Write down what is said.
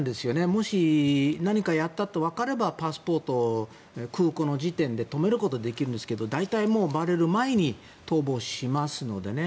もし、何かやったとわかればパスポートを空港の時点で止めることができるんですが大体、ばれる前に逃亡しますのでね。